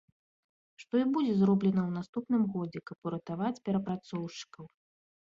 Што і будзе зроблена ў наступным годзе, каб уратаваць перапрацоўшчыкаў.